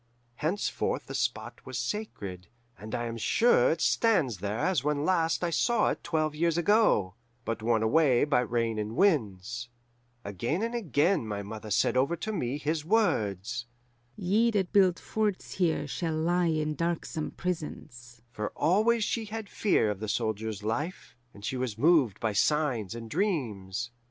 Henceforth the spot was sacred, and I am sure it stands there as when last I saw it twelve years ago, but worn away by rains and winds. "Again and again my mother said over to me his words, 'Ye that build forts here shall lie in darksome prisons'; for always she had fear of the soldier's life, and she was moved by signs and dreams.